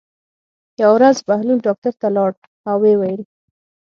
یوه ورځ بهلول ډاکټر ته لاړ او ویې ویل.